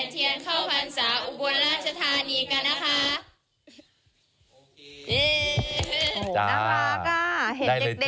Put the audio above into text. เที่ยวงานแหทียงเที่ยงเข้ากันชาวอุบลราชธานีกันนะคะ